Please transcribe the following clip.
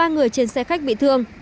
ba người trên xe khách bị thương